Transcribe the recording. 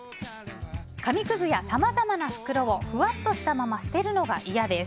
紙くずやさまざまな袋をふわっとしたまま捨てるのが嫌です。